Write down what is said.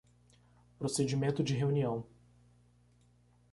Procedimento de reunião